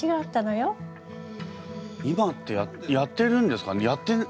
いまってやってるんですかね？